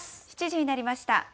７時になりました。